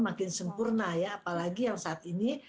makin sempurna ya apalagi yang saat ini